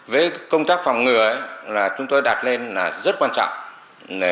với công tác phòng ngừa là chúng tôi đặt lên là rất quan trọng